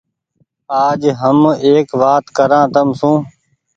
آج هم ايڪ وآت ڪريآن تم سون ۔